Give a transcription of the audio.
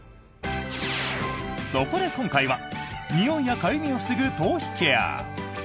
そこで今回はにおいやかゆみを防ぐ頭皮ケア。